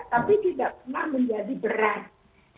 tapi tidak pernah menjadi beras